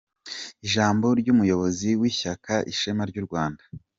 Ijambo ry’Umuyobozi w’Ishyaka Ishema ry’u Rwanda